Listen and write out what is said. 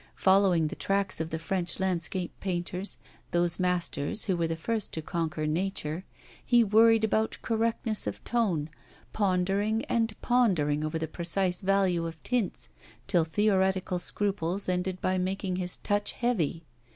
Following the track of the French landscape painters, those masters who were the first to conquer nature, he worried about correctness of tone, pondering and pondering over the precise value of tints, till theoretical scruples ended by making his touch heavy.